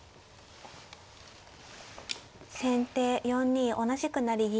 先手４二同じく成銀。